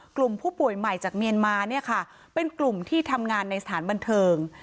กลุ่มผู้ป่วยใหม่จากเมียนมาเนี่ยค่ะเป็นกลุ่มที่ทำงานในสถานบันเทิง